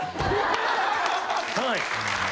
はい。